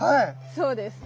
そうです。